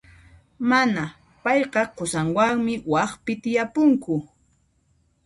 Mana, payqa qusanwanmi waqpi tiyapunku.